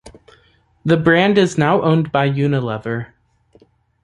The brand is now owned by Unilever.